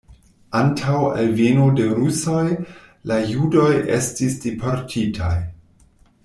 Antaŭ alveno de rusoj la judoj estis deportitaj.